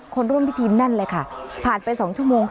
ร่วมพิธีแน่นเลยค่ะผ่านไป๒ชั่วโมง